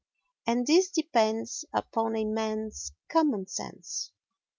And this depends upon a man's common sense.